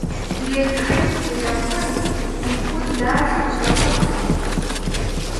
Il écrit de la poésie depuis l'âge de quatorze ans.